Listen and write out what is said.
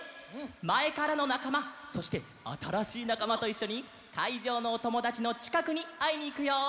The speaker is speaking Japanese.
まえからのなかまそしてあたらしいなかまといっしょにかいじょうのおともだちのちかくにあいにいくよ！